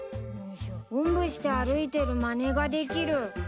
おんぶして歩いてるまねができる。